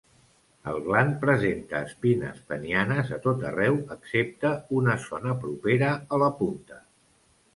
El gland presenta espines penianes a tot arreu excepte una zona propera a la punta.